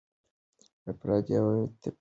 افراط او تفریط مه کوئ.